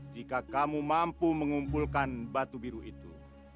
jika kamu mampu mengumpulkan batu biru itu